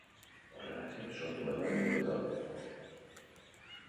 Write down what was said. Horregatik sortu genuen gure taldea.